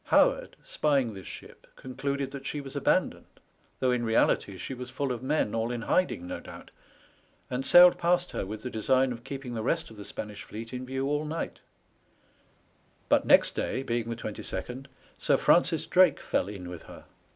Howard, spying this ship, concluded that she was abandoned, though in reality she was full of men all in hiding, no doubt, and sailed past her with the design of keeping the rest of the Spanish fleet in view all night; but next day, being the 22nd, Sir Francis Drake fell in with her.